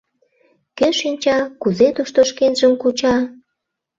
Кӧ шинча, кузе тушто шкенжым куча?